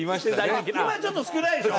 今はちょっと少ないでしょ。